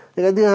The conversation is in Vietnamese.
thế cái thứ hai